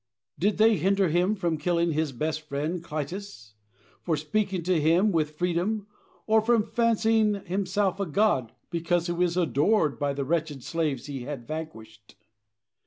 Did they hinder him from killing his best friend, Clitus, for speaking to him with freedom, or from fancying himself a god because he was adored by the wretched slaves he had vanquished?